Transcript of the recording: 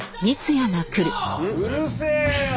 うるせえよ！